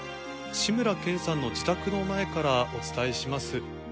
志村けんさんの自宅の前からお伝えします